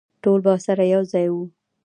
ټول به سره یوځای وو.